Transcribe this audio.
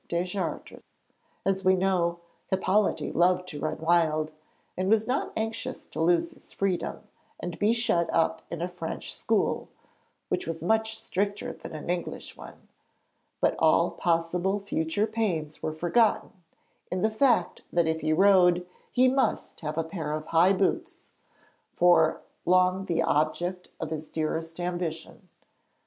Deschartres. As we know, Hippolyte loved to run wild, and was not anxious to lose his freedom and be shut up in a French school (which was much stricter than an English one), but all possible future pains were forgotten in the fact that if he rode he must have a pair of high boots for long the object of his dearest ambition.